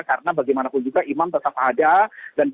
karena bagaimanapun juga imam tetap ada